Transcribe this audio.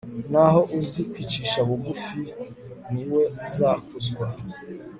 naho uzi kwicisha bugufi, ni we uzakuzwa